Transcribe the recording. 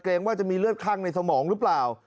ว่าจะมีเลือดคั่งในสมองหรือเปล่า